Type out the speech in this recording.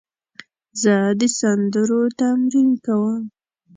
زه د سندرو تمرین کوم.